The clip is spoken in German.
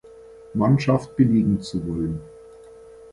Mannschaft belegen zu wollen.